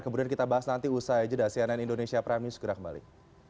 kemudian kita bahas nanti usaha ejd hacianen indonesia prime news segera kembali